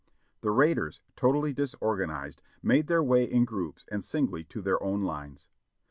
The raiders, totally disorgan ized, made their way in groups and singly to their own lines.